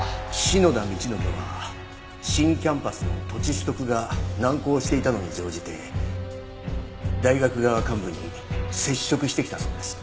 篠田道信は新キャンパスの土地取得が難航していたのに乗じて大学側幹部に接触してきたそうです。